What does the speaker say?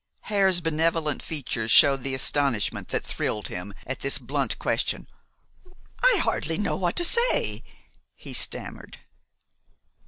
Hare's benevolent features showed the astonishment that thrilled him at this blunt question. "I hardly know what to say " he stammered.